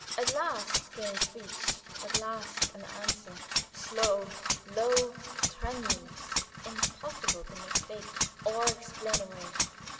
At last came speech; at last an answer; slow, low, tremulous, impossible to mistake or explain away.